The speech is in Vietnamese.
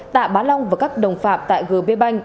tạ bá long và các đồng phạm tại gb bank